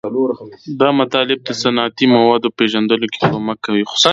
دا مطالب د صنعتي موادو په پیژندلو کې کومک کوي.